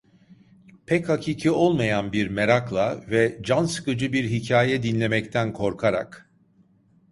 Pek hakiki olmayan bir merakla, ve can sıkıcı bir hikaye dinlemekten korkarak: